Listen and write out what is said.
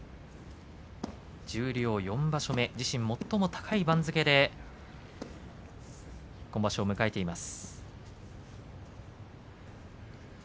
十両４場所目、自身最も高い番付で今場所を迎えています。